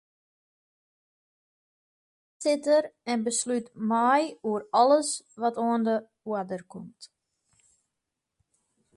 Hy is de foarsitter en beslút mei oer alles wat oan de oarder komt.